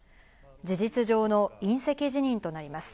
事実上の引責辞任となります。